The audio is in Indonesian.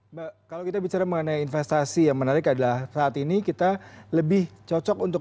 mbak kalau kita bicara mengenai investasi yang menarik adalah saat ini kita lebih cocok untuk